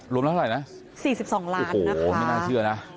๔๒ล้านนะคะโอ้โหไม่น่าเชื่อนะ